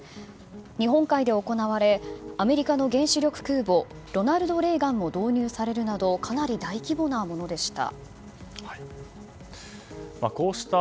日本海で行われアメリカの原子力空母「ロナルド・レーガン」が導入されるなどかなり大規模なものでした。